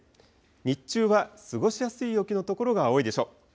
日中は過ごしやすい陽気の所が多いでしょう。